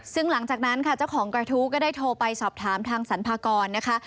ซึ่งหลังจากนั้นค่ะเจ้าของกระทู้ก็ได้โทรไปสอบถามทางสรรพากรนะคะ